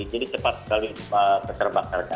jadi cepat sekali terbakar